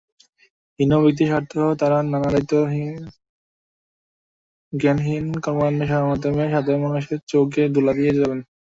হীন ব্যক্তিস্বার্থে তাঁরা নানা দায়িত্বজ্ঞানহীন কর্মকাণ্ডের মাধ্যমে সাধারণের চোখে ধুলা দিয়ে চলেন।